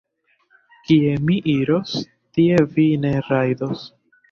Kie mi iros, tie vi ne rajdos.